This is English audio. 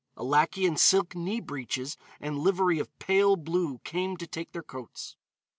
A lackey in silk knee breeches and livery of pale blue came to take their coats.